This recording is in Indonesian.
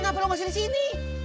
kenapa lu gak sini sini